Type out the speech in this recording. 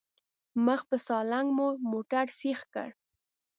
مخ په سالنګ مو موټر سيخ کړ.